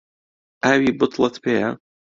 ئاوی بوتڵت پێیە؟